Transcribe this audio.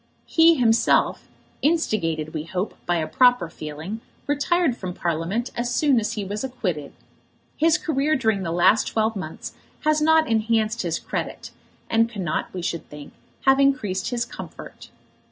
He himself, instigated, we hope, by a proper feeling, retired from Parliament as soon as he was acquitted. His career during the last twelve months has not enhanced his credit, and cannot, we should think, have increased his comfort.